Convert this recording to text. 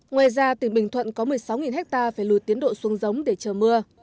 ngoài ra tỉnh bình thuận có một mươi sáu ha phải lùi tiến độ xuống giống để chờ mưa